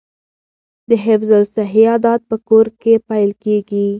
د حفظ الصحې عادات په کور کې پیل کیږي.